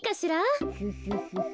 フフフフ。